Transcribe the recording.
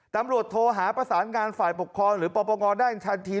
ตำรวจโทรหาประสานงานฝ่ายปกครองหรือปปงได้ทันที